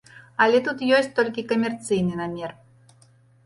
Але тут ёсць толькі камерцыйны намер.